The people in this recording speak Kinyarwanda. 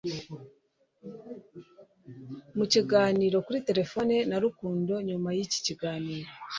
Mu kiganiro kuri terefone na Rukundo nyuma y'iki kiganiro,